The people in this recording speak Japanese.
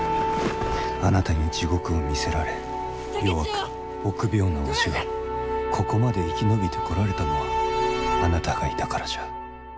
あなたに地獄を見せられ弱く臆病なわしがここまで生き延びてこられたのはあなたがいたからじゃ。